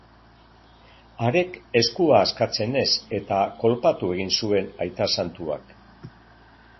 Harek eskua askatzen ez eta kolpatu egin zuen aita santuak.